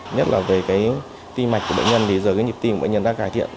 nhất là về cái tim mạch của bệnh nhân thì giờ cái nhịp tim của bệnh nhân đã cải thiện